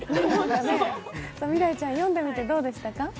未来ちゃん、読んでみてどうでしたか？